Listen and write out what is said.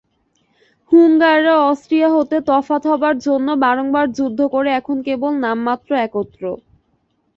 হুঙ্গাররা অষ্ট্রীয়া হতে তফাত হবার জন্য বারংবার যুদ্ধ করে এখন কেবল নামমাত্র একত্র।